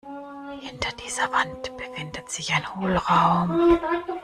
Hinter dieser Wand befindet sich ein Hohlraum.